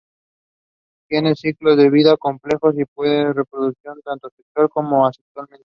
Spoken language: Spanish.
Tienen ciclos de vida complejos y pueden reproducirse tanto sexual como asexualmente.